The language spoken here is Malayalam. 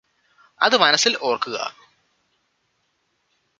അത് മനസ്സിൽ ഓർക്കുക